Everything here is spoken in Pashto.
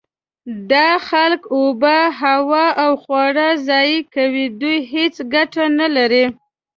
دا خلک اوبه، هوا او خواړه ضایع کوي. دوی هیڅ ګټه نلري.